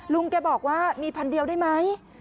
ลุงแกบอกว่ามี๑๐๐๐บาทได้ไหม